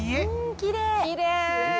きれい！